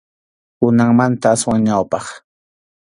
Kunanmanta aswan ñawpaq.